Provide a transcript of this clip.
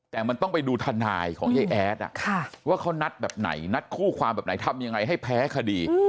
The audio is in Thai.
แต่มันต้องไปดูทนายของยายแอดว่าเขานัดแบบไหนนัดคู่ความแบบไหนทำยังไงให้แพ้คดี